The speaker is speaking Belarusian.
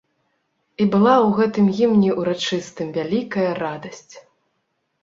І была ў гэтым гімне ўрачыстым вялікая радасць.